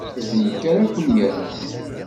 D nekk ara ken-yernun.